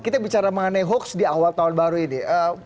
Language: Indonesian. kita bicara mengenai hoax di awal tahun baru ini